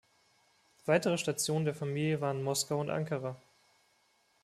Weitere Stationen der Familie waren Moskau und Ankara.